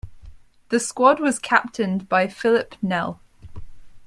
The squad was captained by Philip Nel.